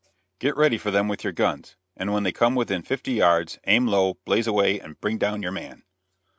"Get ready for them with your guns, and when they come within fifty yards, aim low, blaze away and bring down your man!"